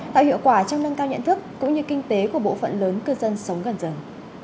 tạo hiệu quả trong nâng cao nhận thức cũng như kinh tế của bộ phận lớn cư dân sống gần rừng